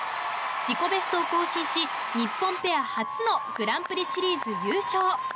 自己ベストを更新し日本ペア初のグランプリシリーズ優勝。